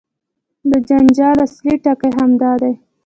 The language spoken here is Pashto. د جنجال اصلي ټکی همدا دی.